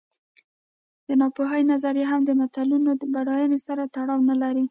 د ناپوهۍ نظریه هم د ملتونو بډاینې سره تړاو نه لري.